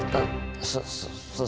saya ganggu kamu